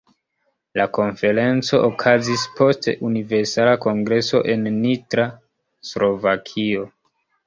La Konferenco okazis post Universala Kongreso en Nitra, Slovakio.